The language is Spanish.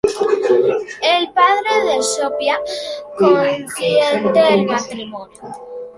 El padre de Sophia consiente el matrimonio.